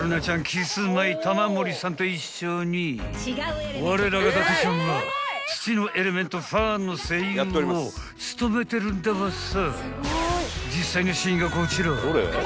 キスマイ玉森さんと一緒にわれらが伊達ちゃんは土のエレメントファーンの声優を務めてるんだばさ］